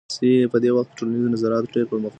په دې وخت کي ټولنیزو نظریاتو ډېر پرمختګ ونه کړ.